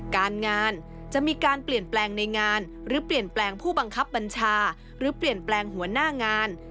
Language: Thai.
การงานจะมีการเปลี่ยนแปลงในงานหรือเปลี่ยนแปลงผู้บังคับบัญชาหรือเปลี่ยนแปลงหัวหน้างาน